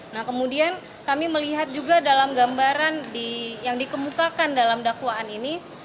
nah kemudian kami melihat juga dalam gambaran yang dikemukakan dalam dakwaan ini